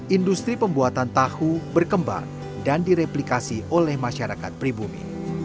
industri pembuatan tahu berkembang dan direplikasi oleh masyarakat pribumi